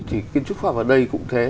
thì kiến trúc pháp ở đây cũng thế